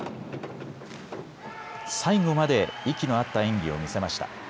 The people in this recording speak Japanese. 最後まで息の合った演技を見せました。